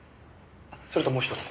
それともう一つ。